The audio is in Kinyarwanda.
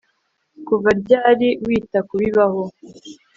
Kuva ryari wita kubibaho